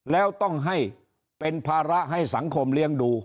แล้วต้องให้เป็นภาระให้สังคมเลี้ยงดู